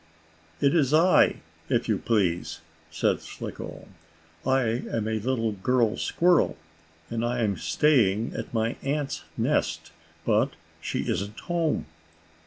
"It is I, if you please," said Slicko. "I am a little girl squirrel, and I am staying at my aunt's nest, but she isn't home.